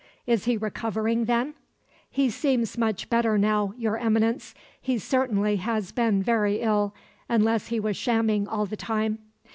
Is he recovering, then?" "He seems much better now, Your Eminence. He certainly has been very ill unless he was shamming all the time."